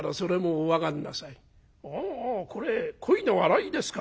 「ああこれコイのあらいですか。